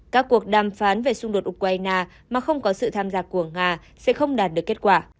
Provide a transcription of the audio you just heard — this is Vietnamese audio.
các cuộc đàm phán về xung đột ukraine mà không có sự tham gia của nga sẽ không đạt được kết quả